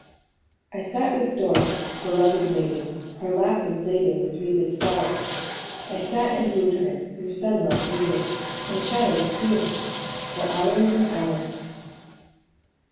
"I sat with Doris, beloved maiden, Her lap was laden with wreathed flowers: I sat and wooed her, through sunlight wheeling, And shadows stealing, for hours and hours."